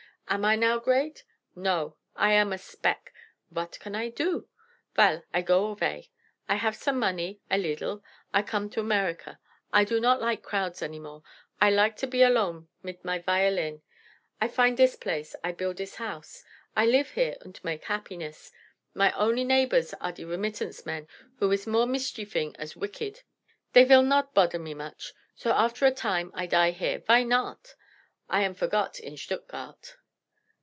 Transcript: Am I now great? No; I am a speck. Vot can I do? Veil, I go avay. I haf some money a leedle. I come to America. I do not like crowds any more. I like to be alone mit my violin. I find dis place; I build dis house; I lif here unt make happiness. My only neighbors are de remittance men, who iss more mischiefing as wicked. Dey vill nod bother me much. So after a time I die here. Vy nod? I am forgot in Stuttgart."